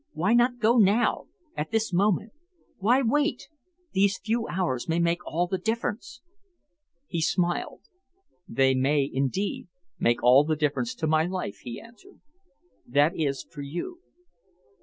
Why not go now, at this moment? Why wait? These few hours may make all the difference." He smiled. "They may, indeed, make all the difference to my life," he answered. "That is for you."